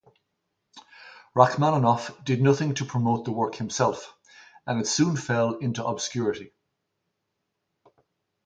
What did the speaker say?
Rachmaninoff did nothing to promote the work himself, and it soon fell into obscurity.